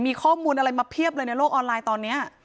มีข้อมูลอะไรมาเพียบเลยในโลกออนไลน์ตอนนี้